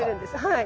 はい。